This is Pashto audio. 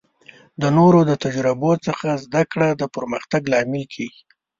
د نورو د تجربو څخه زده کړه د پرمختګ لامل کیږي.